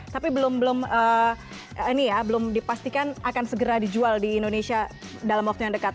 tapi belum ini ya belum dipastikan akan segera dijual di indonesia dalam waktu yang dekat